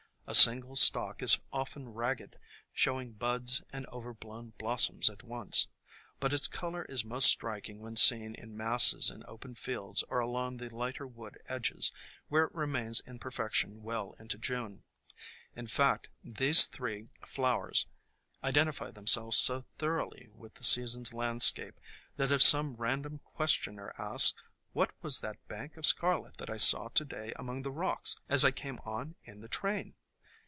A single stalk is often ragged, showing buds and overblown blos soms at once ; but its color is most striking when seen in masses in open fields or along the lighter wood edges, where it remains in perfection well into June. In fact, these three 26 THE COMING OF SPRING flowers identify themselves so thoroughly with the season's landscape that if some random questioner asks, "What was that bank of scarlet that I saw to day among the rocks as I came on in the train?